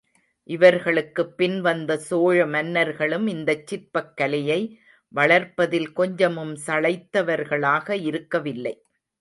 இவர்களுக்குப் பின் வந்த சோழ மன்னர்களும் இந்தச் சிற்பக் கலையை வளர்ப்பதில் கொஞ்சமும் சளைத்தவர்களாக இருக்கவில்லை.